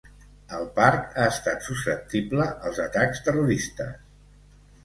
El parc ha estat susceptible als atacs terroristes.